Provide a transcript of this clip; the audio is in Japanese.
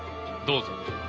どうぞ。